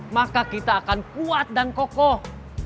maka kita akan kuat dan kokoh